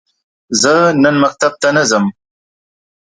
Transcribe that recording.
زه نن مکتب ته نه ځم.